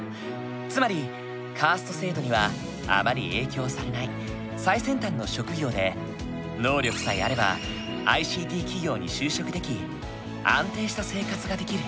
つまりカースト制度にはあまり影響されない最先端の職業で能力さえあればＩＣＴ企業に就職でき安定した生活ができる。